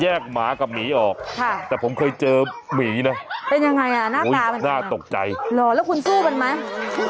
แยกหมากับหมีออกแต่ผมเคยเจอหมีโอ๊ยหน้าตกใจอ๋อแล้วคุณสู้มันไหม